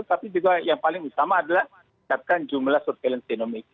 tapi juga yang paling utama adalah meningkatkan jumlah surveillance genomic